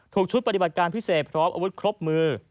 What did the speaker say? ชุดปฏิบัติการพิเศษพร้อมอาวุธครบมือ